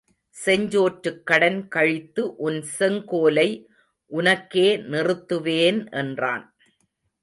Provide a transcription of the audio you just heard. செஞ்சோற்றுக் கடன் கழித்து உன் செங் கோலை உனக்கே நிறுத்துவேன் என்றான்.